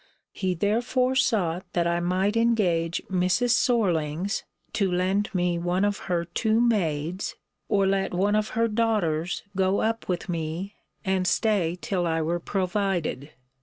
He therefore sought that I might engage Mrs. Sorlings to lend me one of her two maids, or let one of her daughters go up with me, and stay till I were provided.